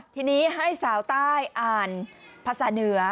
ทีนี้ให้สาวใต้อ่านภาษาเหนือ